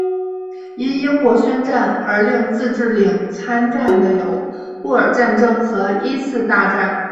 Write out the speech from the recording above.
因英国宣战而令自治领参战的有布尔战争和一次大战。